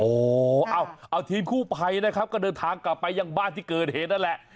โอ้โหเอาทีมกู้ภัยนะครับก็เดินทางกลับไปยังบ้านที่เกิดเหตุนั่นแหละ